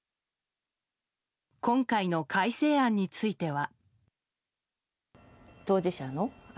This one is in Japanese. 今回の改正案については。